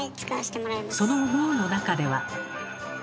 その脳の中では。